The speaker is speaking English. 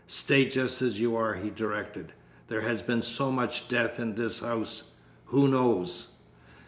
"Stay just as you are," he directed. "There has been so much death in this house who knows?"